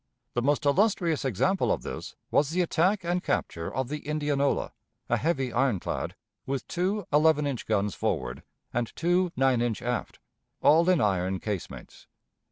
The most illustrious example of this was the attack and capture of the Indianola, a heavy ironclad, with two eleven inch guns forward, and two nine inch aft, all in iron casemates.